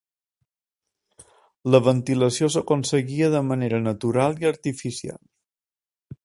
La ventilació s'aconseguia de manera natural i artificial.